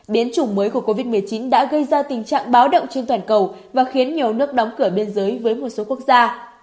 biến chủng mới của covid một mươi chín đã gây ra tình trạng báo động trên toàn cầu và khiến nhiều nước đóng cửa biên giới với một số quốc gia